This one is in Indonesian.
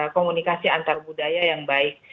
komunikasi antar budaya yang baik